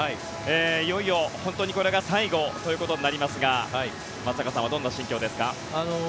いよいよ本当にこれが最後ということになりますが松坂さんはどんな心境ですか？